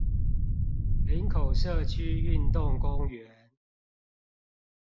林口社區運動公園